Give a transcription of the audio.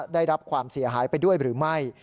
ได้รับความเสียหายไปด้วยหรือไม่